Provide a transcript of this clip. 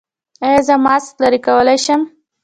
ایا زه ماسک لرې کولی شم؟